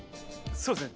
そうですね。